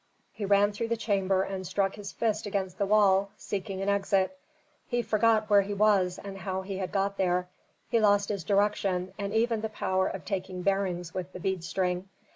He ran through the chamber and struck his fist against the wall, seeking an exit. He forgot where he was and how he had got there; he lost his direction, and even the power of taking bearings with the bead string.